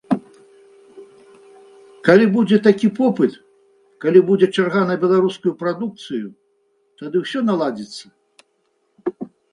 Калі будзе такі попыт, калі будзе чарга на беларускую прадукцыю, тады ўсё наладзіцца.